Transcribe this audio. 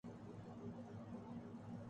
ہم دوستوں کے ساتھ فلم دیکھنے جا رہے ہیں